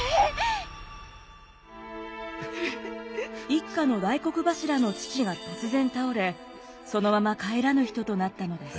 一家の大黒柱の父が突然倒れそのまま帰らぬ人となったのです。